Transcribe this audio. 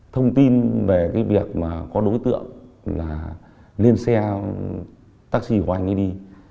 thông tin về cái việc mà có đối tượng là lên xe taxi của anh ấy đi